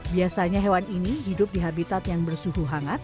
biasanya hewan ini hidup di habitat yang bersuhu hangat